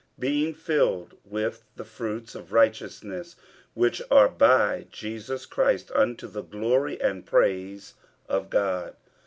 50:001:011 Being filled with the fruits of righteousness, which are by Jesus Christ, unto the glory and praise of God.